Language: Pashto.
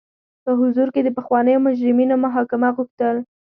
په حضور کې د پخوانیو مجرمینو محاکمه غوښتل.